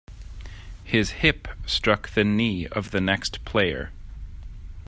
His hip struck the knee of the next player.